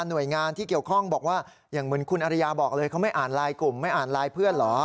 หน่วยงานคงจะตอบว่าอ๋อมันอยู่ในแผนการย้ายอยู่แล้ว